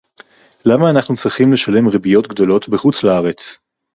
למה אנחנו צריכים לשלם ריביות גדולות בחוץ-לארץ